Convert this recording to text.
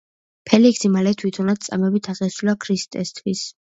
ფელიქსი მალე თვითონაც წამებით აღესრულა ქრისტესთვის.